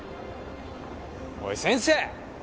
おい先生！